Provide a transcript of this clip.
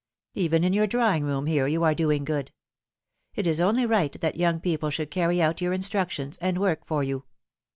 Even in your drawing room here you are doing good. It is only right that young people should carry out your instructions, and work for you.